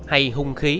hay hung khí